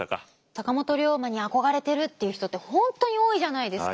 坂本龍馬に憧れてるっていう人って本当に多いじゃないですか。